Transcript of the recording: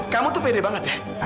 kamu tuh pede banget ya